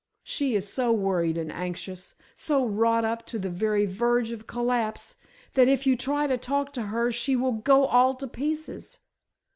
She is so worried and anxious, so wrought up to the very verge of collapse, that if you try to talk to her she will go all to pieces."